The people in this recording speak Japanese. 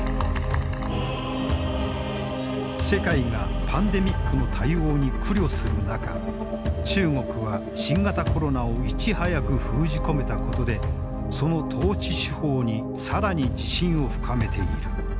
世界がパンデミックの対応に苦慮する中中国は新型コロナをいち早く封じ込めたことでその統治手法に更に自信を深めている。